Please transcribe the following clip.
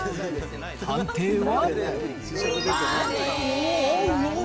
判定は。